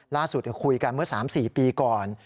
ล่าสุดคุยกันเมื่อ๓๔ปีก่อน